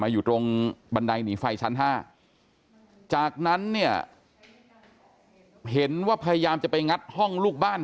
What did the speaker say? อยู่ตรงบันไดหนีไฟชั้น๕จากนั้นเนี่ยเห็นว่าพยายามจะไปงัดห้องลูกบ้าน